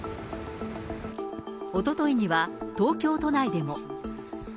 おとといには東京都内でも。